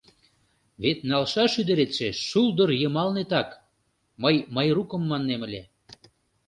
Вет налшаш ӱдыретше шулдыр йымалнетакМый Майрукым маннем ыле...»